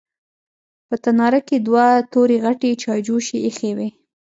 په تناره کې دوه تورې غټې چايجوشې ايښې وې.